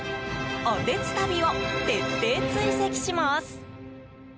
おてつたびを徹底追跡します。